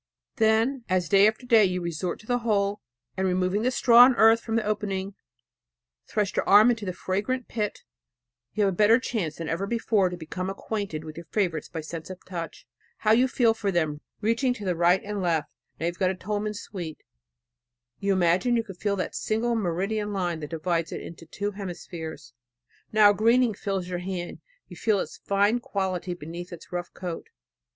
Then, as day after day you resort to the hole, and, removing the straw and earth from the opening, thrust your arm into the fragrant pit, you have a better chance than ever before to become acquainted with your favorites by the sense of touch. How you feel for them, reaching to the right and left! Now you have got a Tolman sweet; you imagine you can feel that single meridian line that divides it into two hemispheres. Now a greening fills your hand, you feel its fine quality beneath its rough coat.